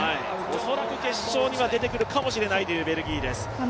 恐らく決勝には出てくるかもしれないというベルギーです。